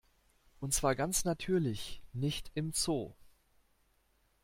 Und zwar ganz natürlich, nicht im Zoo.